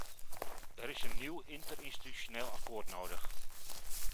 Er is een nieuw interinstitutioneel akkoord nodig.